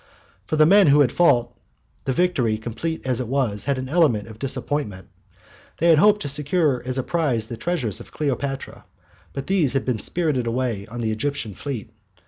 For the men who had fought, the victory, complete as it was, had an element of disappointment. They had hoped to secure as a prize the treasures of Cleopatra, but these had been spirited away on the Egyptian fleet.